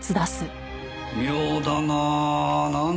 妙だなあ。